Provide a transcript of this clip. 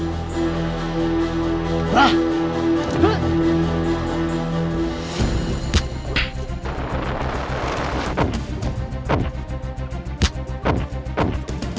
aku akan menyembahmu